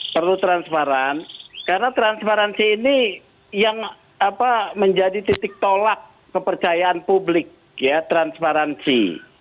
perlu transparan karena transparansi ini yang menjadi titik tolak kepercayaan publik transparansi